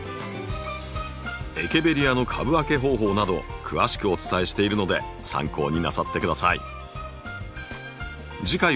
エケベリアの株分け方法など詳しくお伝えしているので参考になさって下さい。